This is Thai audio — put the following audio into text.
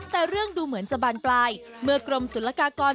แต่เรื่องดูเหมือนจะบานปลายเมื่อกรมศุลกากร